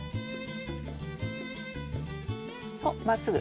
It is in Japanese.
おっまっすぐ。